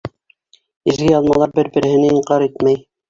Изге яҙмалар бер-береһен инҡар итмәй.